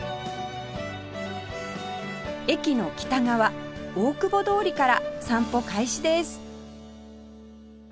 駅の北側大久保通りから散歩開始です